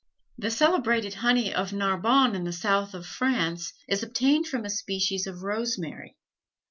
The celebrated honey of Narbonne in the south of France is obtained from a species of rosemary.